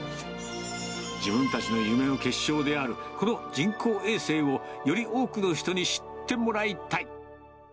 自分たちの夢の結晶である、この人工衛星をより多くの人に知ってもらいたい。